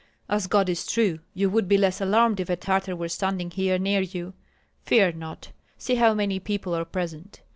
"As God is true! you would be less alarmed if a Tartar were standing here near you. Fear not! See how many people are present.